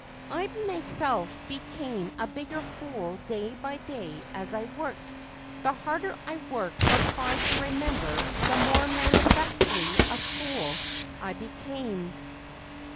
I myself became a bigger fool day by day as I worked; the harder I worked or tried to remember the more manifestly a fool I became.